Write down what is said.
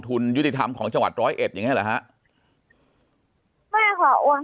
ทุนยุธิธรรมของจังหวัดร้อยเอ็ดอย่างนี้แหละค่ะแม่ค่ะโอน